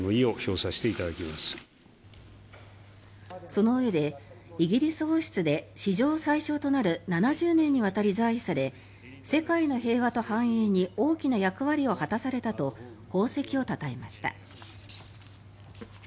そのうえでイギリス王室で史上最長となる７０年にわたり在位され世界の平和と繁栄に大きな役割を果たされたと功績をたたえました。